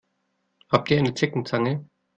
Habt ihr eine Zeckenzange?